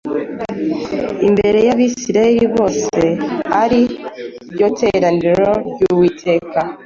Imbere y’Abisirayeli bose, ari ryo teraniro ry’Uwiteka,